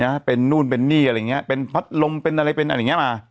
เป็นนู่นเป็นนี่อะไรอย่างเงี้ยเป็นพัดลมเป็นอะไรเป็นอะไรอย่างเงี้มา